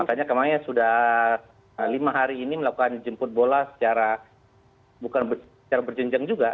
makanya kami sudah lima hari ini melakukan jemput bola secara bukan secara berjenjang juga